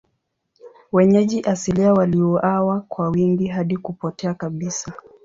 Wenyeji asilia waliuawa kwa wingi hadi kupotea kabisa.